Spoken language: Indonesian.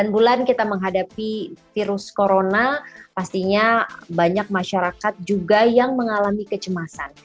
sembilan bulan kita menghadapi virus corona pastinya banyak masyarakat juga yang mengalami kecemasan